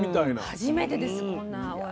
初めてですこんなお味。